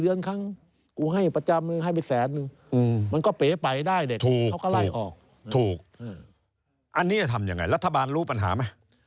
รัฐบาลรู้ปัญหาไหม